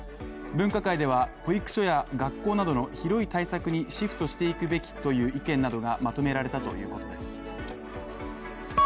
分科会では、保育所や学校などの対策にシフトしていくべきという意見などがまとめられたということです。